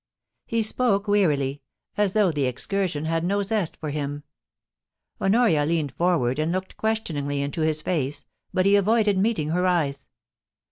He spoke wearily, as though the excursion had no zest for him. Honoria leaned forward and looked questioningly into his face, but he avoided meeting her eyes.